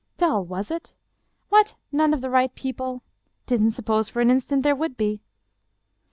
Dull — was it? What, none of the right people? Didn't suppose for an instant there would be."